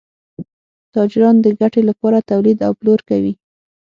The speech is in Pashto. تاجران د ګټې لپاره تولید او پلور کوي.